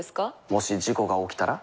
もし事故が起きたら？